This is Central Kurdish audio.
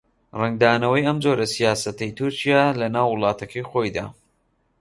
ڕەنگدانەوەی ئەم جۆرە سیاسەتەی تورکیا لەناو وڵاتەکەی خۆیدا